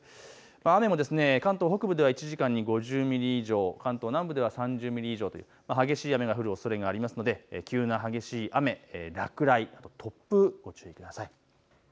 雨も関東北部では１時間に５０ミリ以上、関東南部では３０ミリ以上という激しい雨が降るおそれがありますので急な激しい雨、落雷、突風にご注意ください。